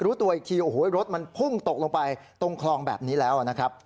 รู้ตัวอีกทีโอ้โหรถมันพุ่งตกลงไปตรงคลองแบบนี้แล้วนะครับ